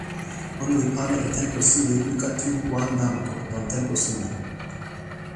ona li pana e tenpo suli luka tu wan namako lon tenpo suno.